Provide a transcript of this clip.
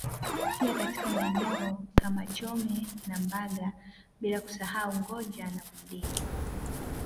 Pia katika maeneo kama Chome na Mbaga bila kusahau Gonja na Vudee